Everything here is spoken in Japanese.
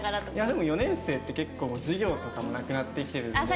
でも４年生って結構授業とかもなくなってきてるんで。